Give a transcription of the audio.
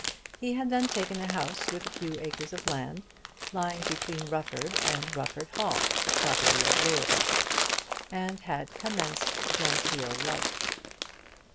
He had then taken a house with a few acres of land, lying between Rufford and Rufford Hall, the property of Lord Rufford, and had commenced genteel life.